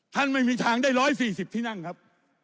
ไม่มีทางได้๑๔๐ที่นั่งครับ